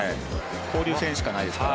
交流戦しかないですから。